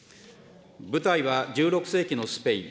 舞台は１６世紀のスペイン。